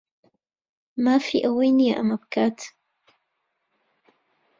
مافی ئەوەی نییە ئەمە بکات.